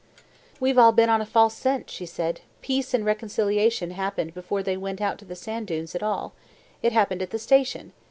"We've all been on a false scent," she said. "Peace and reconciliation happened before they went out to the sand dunes at all. It happened at the station.